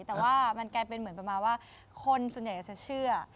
แต่ว่ามันกลายเป็นเหมือนประมาณว่าคนส่วนใหญ่จะเชื่อ